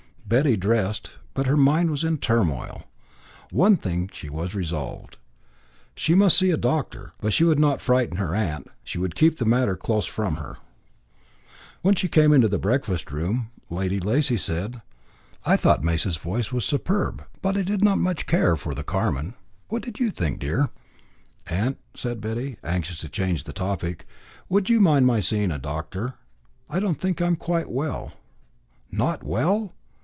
Betty dressed, but her mind was in a turmoil. On one thing she was resolved. She must see a doctor. But she would not frighten her aunt, she would keep the matter close from her. When she came into the breakfast room, Lady Lacy said "I thought Maas's voice was superb, but I did not so much care for the Carmen. What did you think, dear?" "Aunt," said Betty, anxious to change the topic, "would you mind my seeing a doctor? I don't think I am quite well." "Not well!